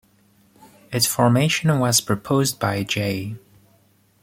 Its formation was proposed by J.